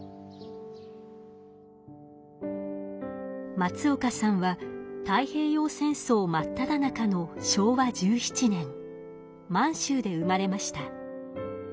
松岡さんは太平洋戦争真っただ中の昭和１７年満州で生まれました。